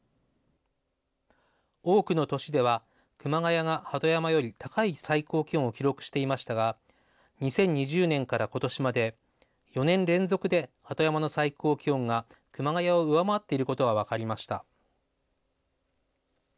多くの年では、熊谷が鳩山より高い最高気温を記録していましたが、２０２０年からことしまで、４年連続で鳩山の最高気温が熊谷を上回っていることが分かりました。